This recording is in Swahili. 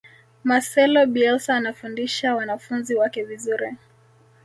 marcelo bielsa anafundisha wanafunzi wake vizuri